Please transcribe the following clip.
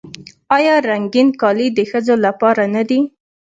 آیا رنګین کالي د ښځو لپاره نه دي؟